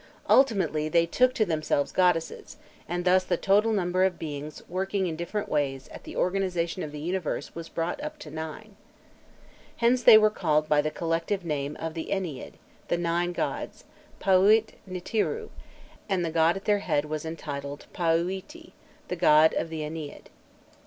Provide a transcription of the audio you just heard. Ultimately they took to themselves goddesses, and thus the total number of beings working in different ways at the organization of the universe was brought up to nine. Hence they were called by the collective name of the Ennead, the Nine gods paûit nûtîrû,[*] and the god at their head was entitled Paûîti, the god of the Ennead.